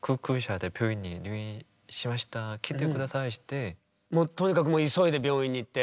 私その時もうとにかく急いで病院に行って。